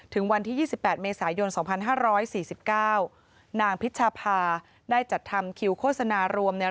ถึงวันที่ยี่สิบแปดเมษายนสองพันห้าร้อยสี่สิบเก้านางพิชาพาได้จัดทำคิวโฆษณารวมใน